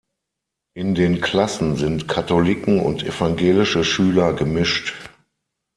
In den Klassen sind Katholiken und evangelische Schüler gemischt.